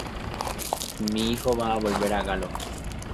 Mi hijo va a volver a Galo.